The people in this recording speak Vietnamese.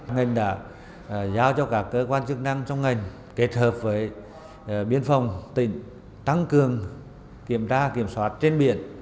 ngành đã giao cho các cơ quan chức năng trong ngành kết hợp với biên phòng tỉnh tăng cường kiểm tra kiểm soát trên biển